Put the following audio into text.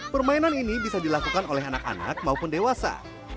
permainan ini bisa dilakukan oleh anak anak maupun dewasa